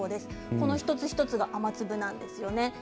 この一つ一つが雨粒なんです。